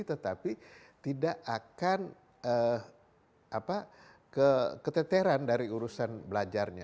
tetapi tidak akan keteteran dari urusan belajarnya